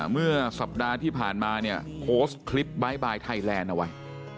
เมื่อสัปดาห์ที่ผ่านมาเนี่ยโพสต์คลิปบ๊ายบายไทยแลนด์เอาไว้